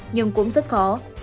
nhưng cũng rất khó